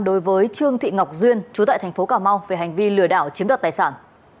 đối với trương thị ngọc duyên chú tại thành phố cà mau về hành vi lừa đảo chiếm đoạt tài sản